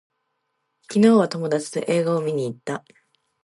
昨日は友達と映画を見に行った